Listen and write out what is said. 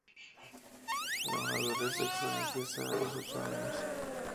La madurez sexual empieza a los ocho años.